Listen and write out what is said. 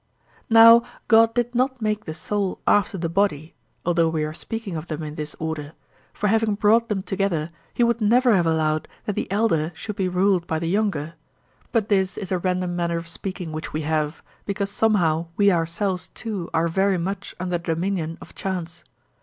Now God did not make the soul after the body, although we are speaking of them in this order; for having brought them together he would never have allowed that the elder should be ruled by the younger; but this is a random manner of speaking which we have, because somehow we ourselves too are very much under the dominion of chance.